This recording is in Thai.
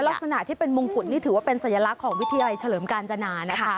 ลักษณะที่เป็นมงกุฎนี่ถือว่าเป็นสัญลักษณ์ของวิทยาลัยเฉลิมกาญจนานะคะ